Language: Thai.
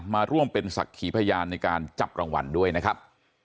มาร่วมเป็นศักดิ์ขีพยานในการจับรางวัลด้วยนะครับ